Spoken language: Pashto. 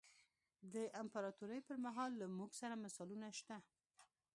د امپراتورۍ پرمهال له موږ سره مثالونه شته.